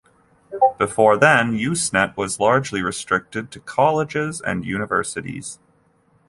Before then, Usenet was largely restricted to colleges and universities.